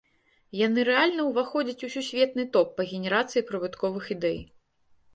Яны рэальна ўваходзяць у сусветны топ па генерацыі прыбытковых ідэй.